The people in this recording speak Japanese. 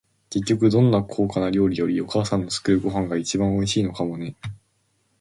結局、どんなに高価な料理より、お母さんの作るご飯が一番おいしいのかもね。